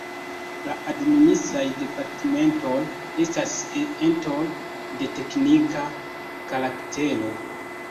La Administraj Departementoj estas entoj de teknika karaktero.